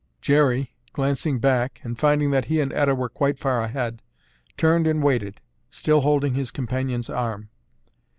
Jerry, glancing back, and finding that he and Etta were quite far ahead, turned and waited, still holding his companion's arm.